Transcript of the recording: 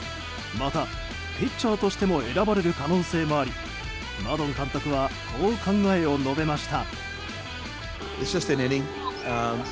また、ピッチャーとしても選ばれる可能性もありマドン監督はこう考えを述べました。